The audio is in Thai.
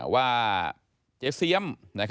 ว่าเจ๊เสียม